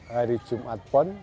hari jumat pun